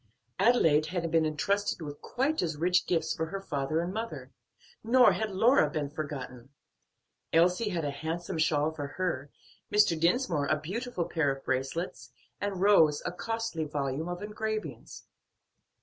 Adelaide had been intrusted with quite as rich gifts for her father and mother; nor had Lora been forgotten; Elsie had a handsome shawl for her, Mr. Dinsmore a beautiful pair of bracelets, and Rose a costly volume of engravings.